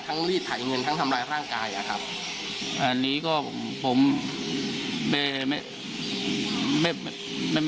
ทั้งรีดถ่ายเงินทั้งทำร้ายร่างกายอันนี้ก็ผมไม่อยากทำอะไร